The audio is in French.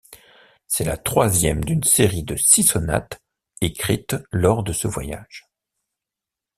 C'est la troisième d'une série de six sonates écrites lors de ce voyage.